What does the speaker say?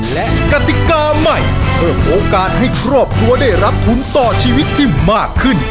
และกติกาใหม่เพิ่มโอกาสให้ครอบครัวได้รับทุนต่อชีวิตที่มากขึ้น